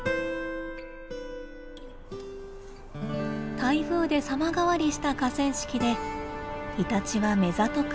台風で様変わりした河川敷でイタチは目ざとく